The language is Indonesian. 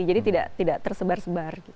jadi tidak tersebar sebar